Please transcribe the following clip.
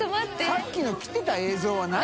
さっきの切ってた映像は何？